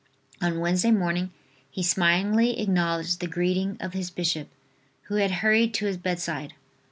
On Wednesday morning he smilingly acknowledged the greeting of his bishop, who had hurried to his bedside.